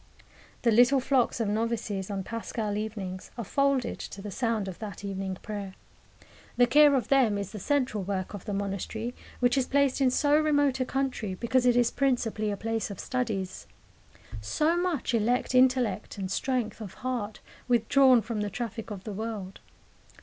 The little flocks of novices, on paschal evenings, are folded to the sound of that evening prayer. The care of them is the central work of the monastery, which is placed in so remote a country because it is principally a place of studies. So much elect intellect and strength of heart withdrawn from the traffic of the world!